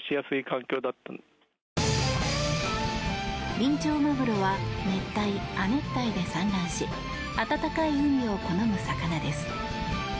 ビンチョウマグロは熱帯・亜熱帯で産卵し暖かい海を好む魚です。